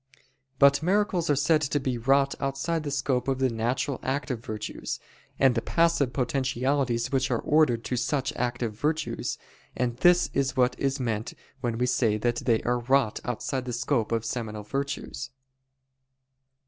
But miracles are said to be wrought outside the scope of the natural active virtues, and the passive potentialities which are ordered to such active virtues, and this is what is meant when we say that they are wrought outside the scope of seminal virtues.